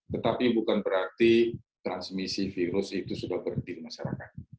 tetapi bukan berarti transmisi virus itu sudah berhenti di masyarakat